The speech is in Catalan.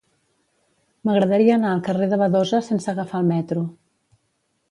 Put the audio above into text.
M'agradaria anar al carrer de Badosa sense agafar el metro.